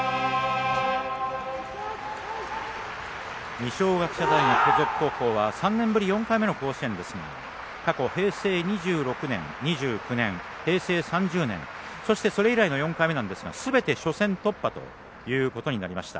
二松学舎大学付属高校は３年ぶり４回目の甲子園ですが過去平成２６年、２９年、３０年そして、それ以来の４回目ですがすべて初戦突破となりました。